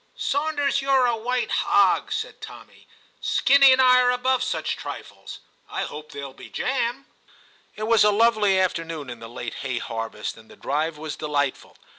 'Sawnders, you're a white hog,' said Tommy ;' Skinny and I are above such trifles. I hope there'll be jam.' It was a lovely afternoon in the late hay harvest, and the drive was delightful.